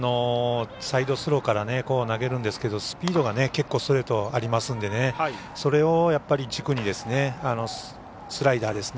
サイドスローから投げるんですけどスピードが結構、ストレートあるのでそれを軸にスライダーですね。